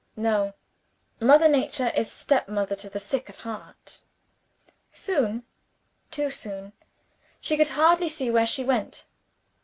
No! Mother Nature is stepmother to the sick at heart. Soon, too soon, she could hardly see where she went.